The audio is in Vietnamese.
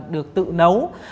được tự nấu